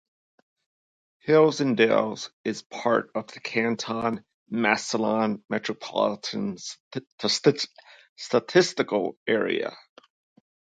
Hills and Dales is part of the Canton-Massillon Metropolitan Statistical Area.